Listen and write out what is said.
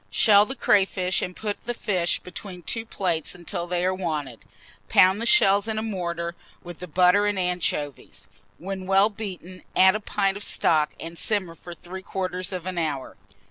Shell the crayfish, and put the fish between two plates until they are wanted; pound the shells in a mortar, with the butter and anchovies; when well beaten, add a pint of stock, and simmer for 3/4 of an hour.